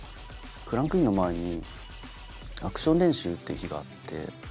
クランクインの前にアクション練習っていう日があって。